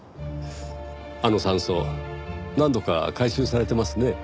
あの山荘何度か改修されてますね。